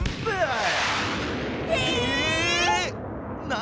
何？